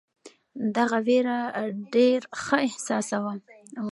دغه وېره ډېر ښه احساسوم.